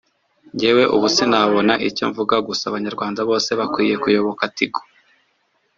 njyewe ubu sinabona icyo mvuga gusa abanyarwanda bose bakwiye kuyoboka Tigo